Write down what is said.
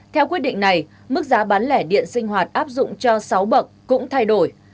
theo quyết định này mức giá bán lẻ điện sinh hoạt áp dụng cho sáu bậc cũng thay đổi